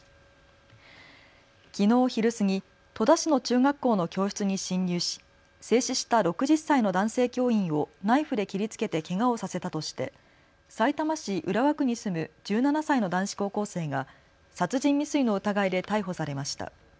きのう昼過ぎ、戸田市の中学校の教室に侵入し制止した６０歳の男性教員をナイフで切りつけてけがをさせたとしてさいたま市浦和区に住む１７歳の男子高校生が殺人未遂の疑いで逮捕されました。